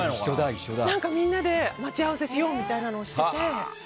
みんなで待ち合わせしようみたいなのをしてて。